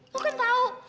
lo kan tahu